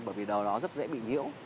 bởi vì đó rất dễ bị nhiễu